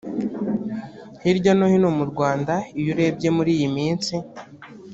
Hirya no hino mu Rwanda iyo urebye muri iyi minsi